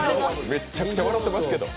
めちゃくちゃ笑ってますけど。